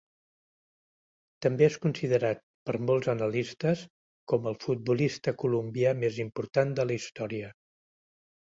També és considerat per molts analistes com el futbolista colombià més important de la història.